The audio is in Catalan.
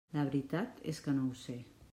La veritat és que no ho sé.